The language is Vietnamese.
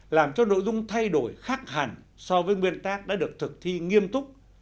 làm cho nội dung thay đổi khác hẳn so với nguyên tác đã được thực thi nghiêm túc